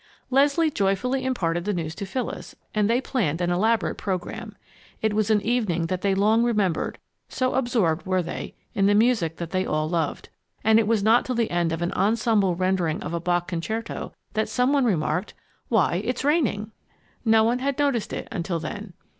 Leslie joyfully imparted the news to Phyllis, and they planned an elaborate program. It was an evening that they long remembered, so absorbed were they in the music that they all loved. And it was not till the end of an ensemble rendering of a Bach concerto, that some one remarked, "Why, it's raining!" No one had noticed it until then.